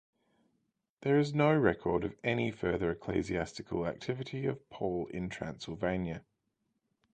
There is no record of any further ecclesiastical activity of Paul in Transylvania.